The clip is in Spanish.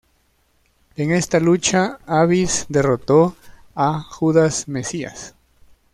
En esta lucha, Abyss derrotó a Judas Mesías.